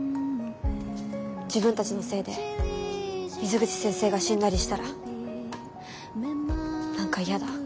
自分たちのせいで水口先生が死んだりしたら何か嫌だ。